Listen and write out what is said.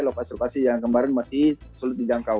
lokasi lokasi yang kemarin masih sulit dijangkau